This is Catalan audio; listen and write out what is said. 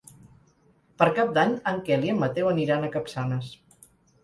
Per Cap d'Any en Quel i en Mateu aniran a Capçanes.